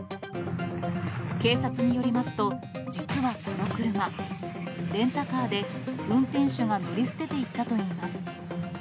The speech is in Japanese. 警察によりますと、実はこの車、レンタカーで、運転手が乗り捨てていったといいます。